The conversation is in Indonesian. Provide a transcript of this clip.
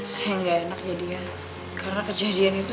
saya gak enak kejadian